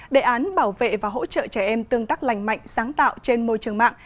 đề án bảo vệ và hỗ trợ trẻ em tương tác lành mạnh sáng tạo trên môi trường mạng